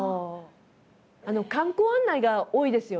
観光案内が多いですよね？